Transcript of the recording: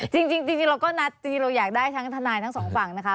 จริงเราก็นัดจริงเราอยากได้ทั้งทนายทั้งสองฝั่งนะคะ